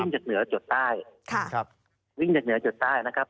จากเหนือจดใต้วิ่งจากเหนือจดใต้นะครับ